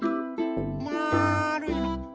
まるいの。